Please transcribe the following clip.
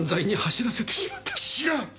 違う！